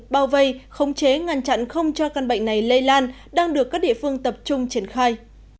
bao vây khống chế ngăn chặn không cho căn bệnh này lây lan đang được các địa phương tập trung triển khai